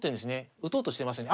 打とうとしてますね。